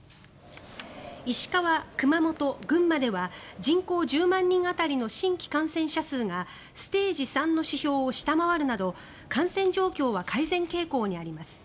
石川、熊本、群馬では人口１０万人当たりの新規感染者数がステージ３の指標を下回るなど感染状況は改善傾向にあります。